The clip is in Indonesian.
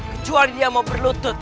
kecuali dia mau berlutut